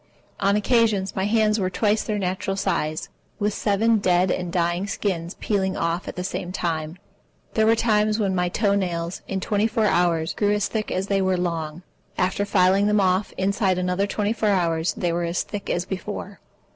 On occasion my hands were twice their natural size, with seven dead and dying skins peeling off at the same time. There were times when my toe nails, in twenty four hours, grew as thick as they were long. After filing them off, inside another twenty four hours they were as thick as before.